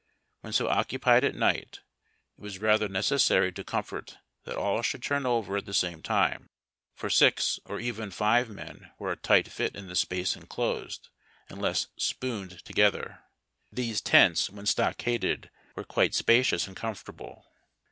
When so oc cupied at night, it was rather necessary to comfort that all should turn over at the same time, for six or even live men were a tight fit in the space enclosed, unless ''spooned" together. These tents when stockaded were quite spacious and comfortable.